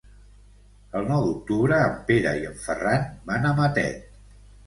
El nou d'octubre en Pere i en Ferran van a Matet.